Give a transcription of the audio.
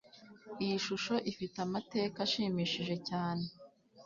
Iyi shusho ifite amateka ashimishije cyane.